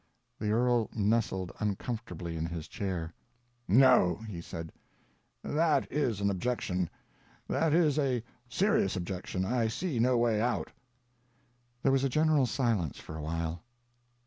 The earl nestled uncomfortably in his chair. "No," he said, "that is an objection. That is a serious objection. I see no way out." There was a general silence for a while.